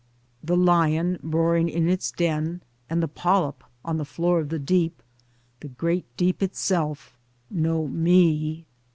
The lion roaring in its den, and the polyp on the floor of the deep, the great deep itself, know ME.